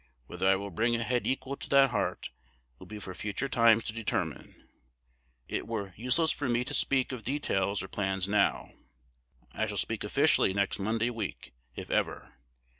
Whether I will bring a head equal to that heart, will be for future times to determine. It were useless for me to speak of details or plans now: I shall speak officially next Monday week, if ever.